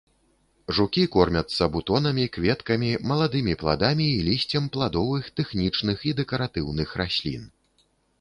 Жукі кормяцца бутонамі, кветкамі, маладымі, пладамі і лісцем пладовых, тэхнічных і дэкаратыўных раслін.